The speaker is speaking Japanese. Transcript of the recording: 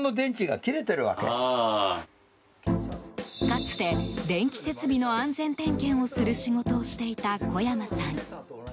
かつて、電気設備の安全点検をする仕事をしていた小山さん。